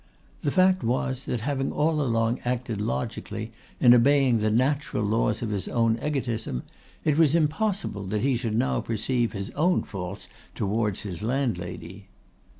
The fact was that, having all along acted logically in obeying the natural laws of his own egotism, it was impossible that he should now perceive his own faults towards his landlady.